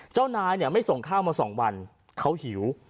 เจ้านายไม่ส่งข้าวมาสองวันเค้าหิว